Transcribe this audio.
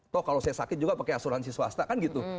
toh kalau saya sakit juga pakai asuransi swasta kan gitu